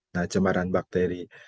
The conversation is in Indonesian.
nah cemaran bakteri